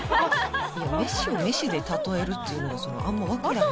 いや飯を飯で例えるっていうのがあんま分からへん